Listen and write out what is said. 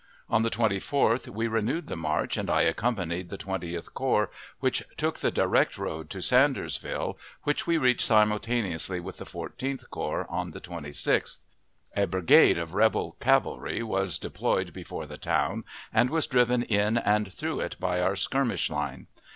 On the 24th we renewed the march, and I accompanied the Twentieth Corps, which took the direct road to Sandersville, which we reached simultaneously with the Fourteenth Corps, on the 26th. A brigade of rebel cavalry was deployed before the town, and was driven in and through it by our skirmish line.